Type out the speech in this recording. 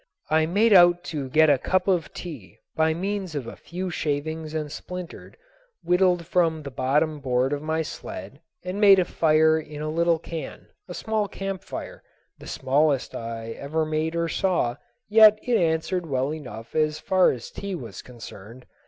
I made out to get a cup of tea by means of a few shavings and splinters whittled from the bottom board of my sled, and made a fire in a little can, a small campfire, the smallest I ever made or saw, yet it answered well enough as far as tea was concerned.